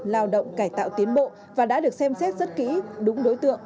lao động cải tạo tiến bộ và đã được xem xét rất kỹ đúng đối tượng